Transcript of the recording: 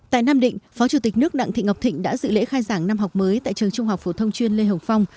tại nam định phó chủ tịch nước đặng thị ngọc thịnh đã dự lễ khai giảng năm học mới tại trường trung học phổ thông chuyên lê hồng phong